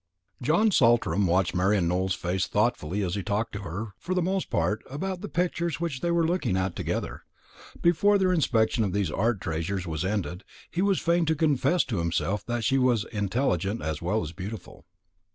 John Saltram watched Marian Nowell's face thoughtfully as he talked to her, for the most part, about the pictures which they were looking at together. Before their inspection of these art treasures was ended, he was fain to confess to himself that she was intelligent as well as beautiful.